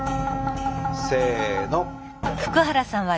せの！